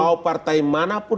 mau partai mana pun